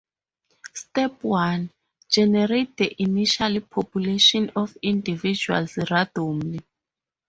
Step One: Generate the initial population of individuals randomly.